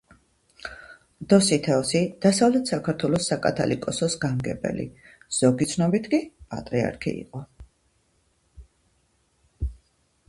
დოსითეოსი დასავლეთ საქართველოს საკათალიკოსოს გამგებელი, ზოგი ცნობით კი პატრიარქი იყო.